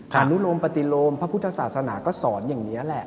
อนุโลมปฏิโลมพระพุทธศาสนาก็สอนอย่างนี้แหละ